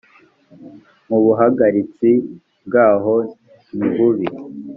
mu buhagaritse bwaho nibubi